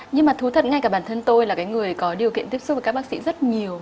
nhưng mà thú thật ngay cả bản thân tôi là cái người có điều kiện tiếp xúc với các bác sĩ rất nhiều